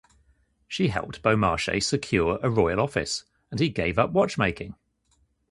She helped Beaumarchais secure a royal office, and he gave up watchmaking.